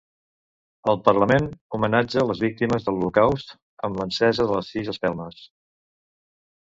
El Parlament homenatja les víctimes de l'Holocaust amb l'encesa de les sis espelmes.